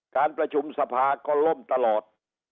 การประชุมสภาก็ล่มตลอด